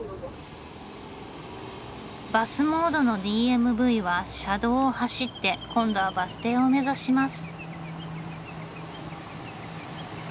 バスモードのＤＭＶは車道を走って今度はバス停を目指します。